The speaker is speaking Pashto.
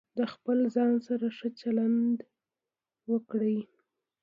د خپل ځان سره ښه چلند وکړئ.